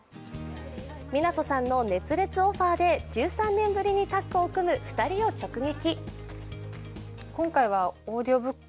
湊さんの熱烈オファーで１３年ぶりにタックを組む２人を直撃。